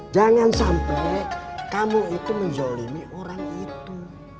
jangan sampai kamu itu menzolimi orang itu